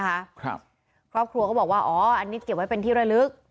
บ้านตรีวาบขัวก็บอกว่าอ๋ออันนี้เก็บไว้เป็นที่ไร้ลึก